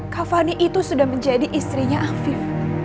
kak fani itu sudah menjadi istrinya afif